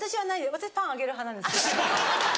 私パンあげる派なんですけど。